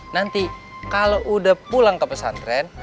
nanti kalau udah pulang ke pesantren